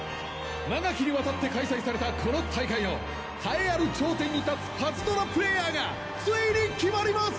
長きにわたって開催されたこの大会の栄えある頂点に立つパズドラプレイヤーがついに決まります！